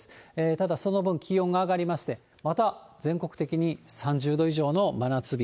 ただ、その分、気温が上がりまして、また全国的に３０度以上の真夏日。